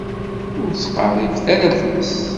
Ur ttqeṛṛibet ara ar tmes.